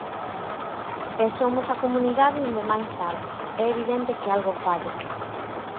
E somos a comunidade onde máis arde, é evidente que algo falla.